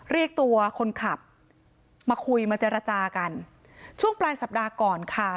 เรียกตัวคนขับมาคุยมาเจรจากันช่วงปลายสัปดาห์ก่อนค่ะ